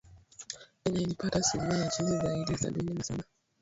Kenya ilipata asilimia ya chini zaidi ya sabini na saba